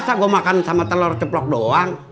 masa gue makan sama telur ceplok doang